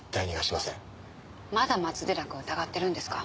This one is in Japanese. まだ松寺君を疑ってるんですか。